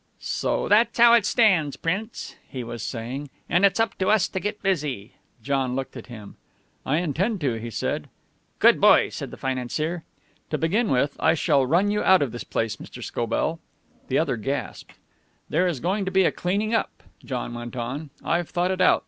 "So that's how it stands, Prince," he was saying, "and it's up to us to get busy." John looked at him. "I intend to," he said. "Good boy!" said the financier. "To begin with, I shall run you out of this place, Mr. Scobell." The other gasped. "There is going to be a cleaning up," John went on. "I've thought it out.